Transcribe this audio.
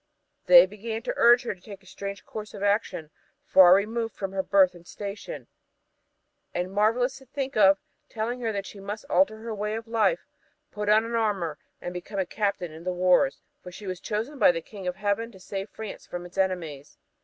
They began to urge her to take a strange course of action far removed from her birth and station and marvelous to think of, telling her that she must alter her way of life, put on armor and become a captain in the wars, for she was chosen by the King of Heaven to save France from its enemies.